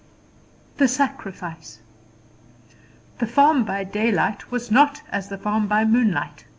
The Sacrifice. The farm by daylight was not as the farm by moonlight.